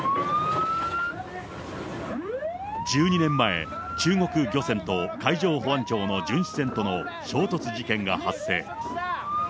１２年前、中国漁船と海上保安庁の巡視船との衝突事件が発生。